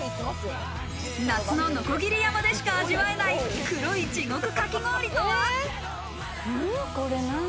夏の鋸山でしか味わえない黒い地獄かき氷とは？